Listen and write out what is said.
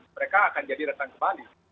mereka akan jadi datang ke bali